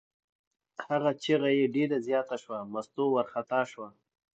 هغه چغه یې ډېره زیاته شوه، مستو وارخطا شوه.